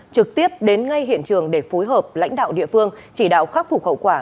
trực tiếp đến ngay hiện trường để phối hợp lãnh đạo địa phương chỉ đạo khắc phục hậu quả